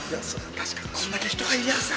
確かにこんだけ人がいりゃあさ。